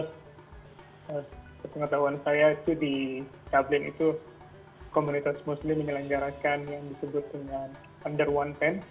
setelah pengetahuan saya di dublin itu komunitas muslim yang dilenggarakan yang disebut dengan under one pen